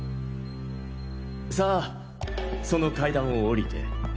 さあその階段をおりて。